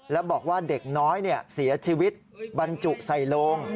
แล้วบอกว่าเด็กน้อยเสียชีวิตบรรจุใส่โลง